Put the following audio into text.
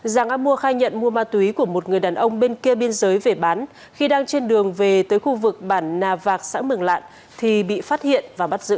giàng a mua khai nhận mua ma túy của một người đàn ông bên kia biên giới về bán khi đang trên đường về tới khu vực bản nà vạc xã mường lạn thì bị phát hiện và bắt giữ